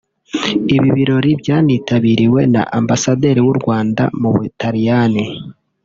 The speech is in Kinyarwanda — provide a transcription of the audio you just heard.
Ibi birori byanitabiriwe na Ambasaderi w’u Rwanda mu Butaliyani